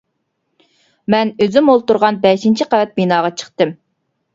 مەن ئۆزۈم ئولتۇرغان بەشىنچى قەۋەت بىناغا چىقتىم.